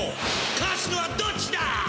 勝つのはどっちだ！？